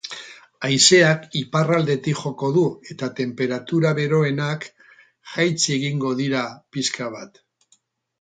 Haizeak iparraldetik joko du eta tenperatura beroenak jaitsi egingo dira pixka bat.